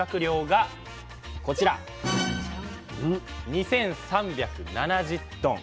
２，３７０トン。